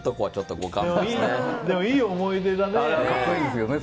でも、いい思い出だね。